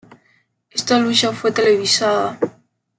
Esta lucha fue televisada.